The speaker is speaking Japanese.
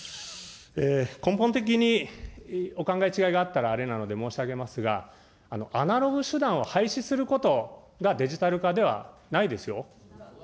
根本的にお考え違いがあったらあれなので申し上げますが、アナログ手段を廃止することがデジタル化ではないですよ。